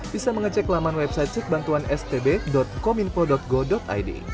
bisa mengecek laman website cekbantuanstb kominfo go id